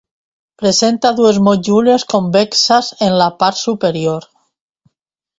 Presenta dues motllures convexes en la part superior.